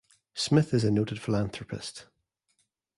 Smith is a noted philanthropist.